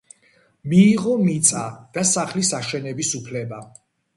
მიიღო მიწა და სახლის აშენების უფლება.